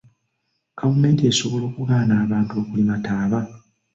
Gavumenti esobola okugaana abantu okulima ttaaba?